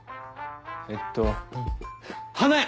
えっと花屋！